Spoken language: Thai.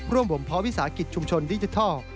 บ่มเพาะวิสาหกิจชุมชนดิจิทัล